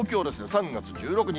３月１６日。